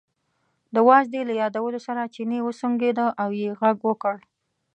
د وازدې له یادولو سره چیني وسونګېده او یې غږ وکړ.